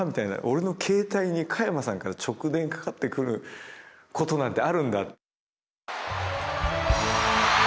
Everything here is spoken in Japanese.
俺の携帯に加山さんから直電かかってくることなんてあるんだ。